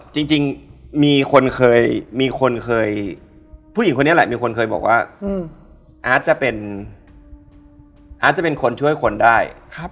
จริงมีคนเกินให้แบบอาจจะเป็นคนช่วยคนได้